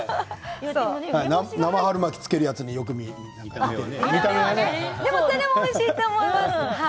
生春巻きつけるやつにそれもおいしいと思います。